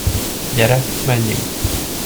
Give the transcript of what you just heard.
Gyere, menjünk.